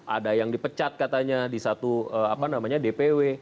ada yang dipecat katanya di satu dpw